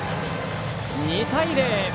２対０。